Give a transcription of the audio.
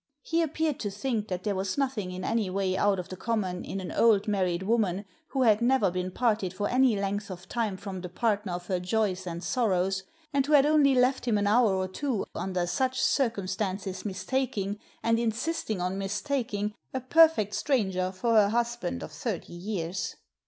He appeared to think that there was nothing in any way out of the common in an old married woman, who had never been parted for any length of time from the partner of her joys and sorrows, and who had only left him an hour or two, under such circumstances mistaking, and insisting on mistaking, a perfect stranger for her husband of thirty years.